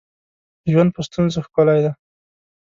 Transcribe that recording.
ژوند په ستونزو ښکلی دی